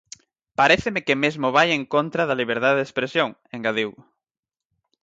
Paréceme que mesmo vai en contra da liberdade de expresión, engadiu.